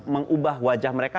mengubah wajah mereka